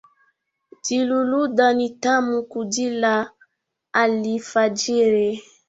Dhiluluda nitamu kudhila alifajiri.